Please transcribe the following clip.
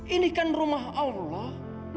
ini kan rumah allah